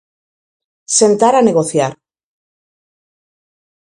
Sentar a negociar.